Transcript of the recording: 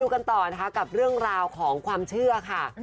กันต่อนะคะกับเรื่องราวของความเชื่อค่ะ